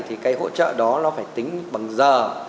thì cái hỗ trợ đó nó phải tính bằng giờ